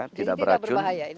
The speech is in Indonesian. jadi tidak berbahaya